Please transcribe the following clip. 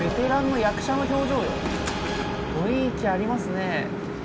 雰囲気ありますね。